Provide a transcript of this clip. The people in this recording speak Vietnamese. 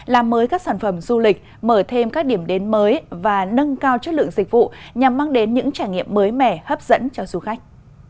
làm mới các sản phẩm du lịch mở thêm các điểm đến mới và nâng cao chất lượng dịch vụ nhằm mang đến những trải nghiệm mới mẻ hấp dẫn cho du khách